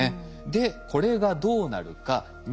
でこれがどうなるか。